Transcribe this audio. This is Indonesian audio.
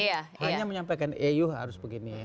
hanya menyampaikan eh yuk harus begini